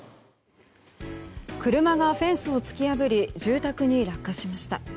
車がフェンスを突き破り住宅に落下しました。